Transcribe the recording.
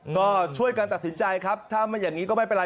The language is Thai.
ก็ช่วยกันตัดสินใจครับถ้าไม่อย่างนี้ก็ไม่เป็นไร